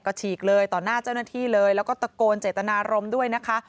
ก็ฉีกเลยต่อหน้าเจ้าหน้าที่เลยแล้วก็ตะโกนเจตนารมณ์ด้วยนะคะ